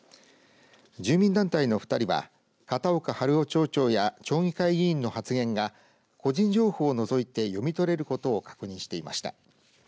住民団体の２人は片岡春雄町長や町議会議員の発言が個人情報を除いて読み取れることを確認していました。